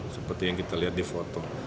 seperti yang kita lihat di foto